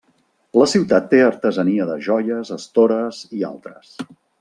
La ciutat té artesania de joies, estores i altres.